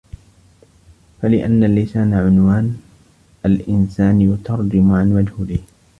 فَلِأَنَّ اللِّسَانَ عُنْوَانُ الْإِنْسَانِ يُتَرْجِمُ عَنْ مَجْهُولِهِ